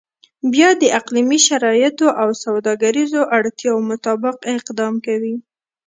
بیا د اقلیمي شرایطو او سوداګریزو اړتیاو مطابق اقدام کوي.